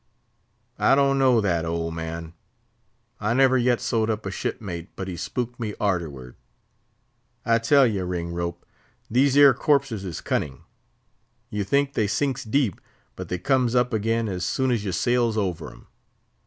"I don't know that, old man; I never yet sewed up a ship mate but he spooked me arterward. I tell ye, Ring rope, these 'ere corpses is cunning. You think they sinks deep, but they comes up again as soon as you sails over 'em.